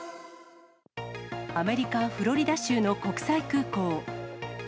アメリカ・フロリダ州の国際空港。